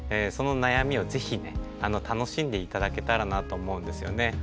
その悩みを是非ね楽しんで頂けたらなと思うんですよね。